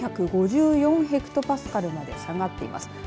９５４ヘクトパスカルまで下がっています。